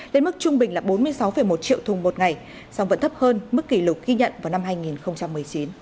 đến mức trung bình là bốn mươi sáu một triệu thùng một ngày song vẫn thấp hơn mức kỷ lục ghi nhận vào năm hai nghìn một mươi chín